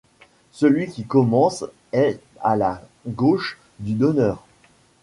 Celui qui commence est à la gauche du donneur.